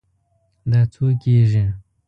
دا څو کیږي؟